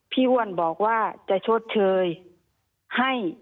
อ้วนบอกว่าจะชดเชยให้